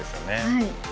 はい。